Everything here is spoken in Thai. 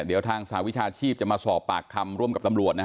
เดี๋ยวทางสหวิชาชีพจะมาสอบปากคำร่วมกับตำรวจนะฮะ